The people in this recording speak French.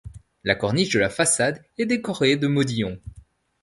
La corniche de la façade est décorée de modillons.